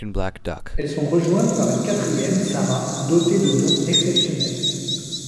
Elles sont rejointes par une quatrième, Sarah, dotée de dons exceptionnels.